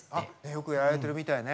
よくやられてるみたいね。